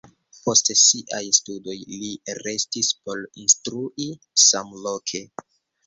Post siaj studoj li restis por instrui samloke.